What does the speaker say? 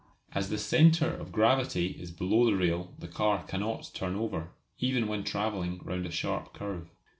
As the "centre of gravity" is below the rail the car cannot turn over, even when travelling round a sharp curve.